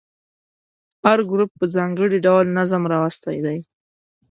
هر ګروپ په ځانګړي ډول نظم راوستی دی.